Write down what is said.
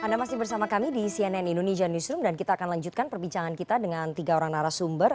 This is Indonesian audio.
anda masih bersama kami di cnn indonesia newsroom dan kita akan lanjutkan perbincangan kita dengan tiga orang narasumber